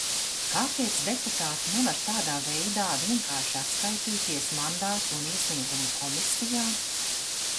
Kāpēc deputāti nevar tādā veidā vienkārši atskaitīties Mandātu un iesniegumu komisijā?